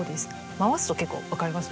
回すと結構分かりますよね。